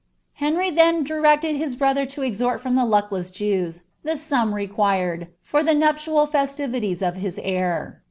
Henry then direeled his brother to esUt from liie lucklew Jewa the sum required, for ijie nuptial festKJtin of hii heir.